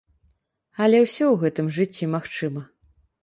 Але ўсё ў гэтым жыцці магчыма.